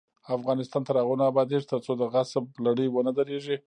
افغانستان تر هغو نه ابادیږي، ترڅو د غصب لړۍ ونه دریږي.